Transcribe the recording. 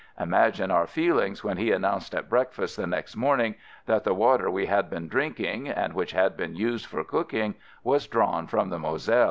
Imagine our feelings when he announced at breakfast the next morning that the water we had been drink ing and which had been used for cooking was drawn from the Moselle!